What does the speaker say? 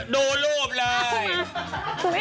ดูรูปเลย